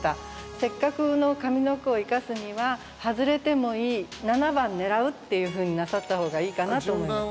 せっかくの上の句を生かすには「外れてもいい七番狙う」っていうふうになさった方がいいかなと思います。